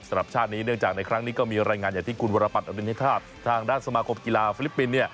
สำหรับชาตินี้เนื่องจากในครั้งนี้ก็มีรายงานอย่างที่คุณวรปัตอรุณิธาตุทางด้านสมาคมกีฬาฟิลิปปินส์